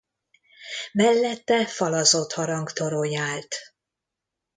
Mellette falazott harangtorony állt.